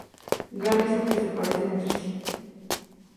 Garrison que se parecen entre sí.